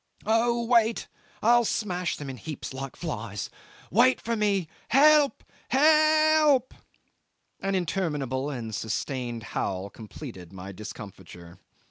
Oh, wait! I'll smash them in heaps like flies. Wait for me! Help! H e elp!" An interminable and sustained howl completed my discomfiture.